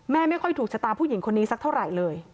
ไม่ค่อยถูกชะตาผู้หญิงคนนี้สักเท่าไหร่เลย